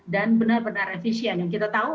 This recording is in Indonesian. dan benar benar efisien yang kita tahu